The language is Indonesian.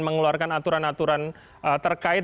mengeluarkan aturan aturan terkait